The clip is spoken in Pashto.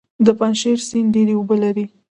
د پنجشیر سیند ډیرې اوبه لري